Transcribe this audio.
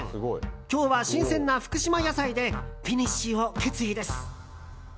今日は新鮮な福島野菜でフィニッシュを決意です。